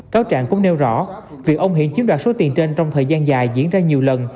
cáo trạng cũng nêu rõ việc ông hiện chiếm đoạt số tiền trên trong thời gian dài diễn ra nhiều lần